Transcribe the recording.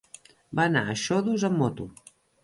Va anar a Xodos amb moto.